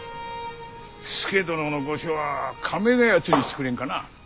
佐殿の御所は亀谷にしてくれんかなあ。